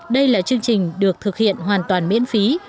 đây là chương trình được thực hiện hoàn toàn miễn phí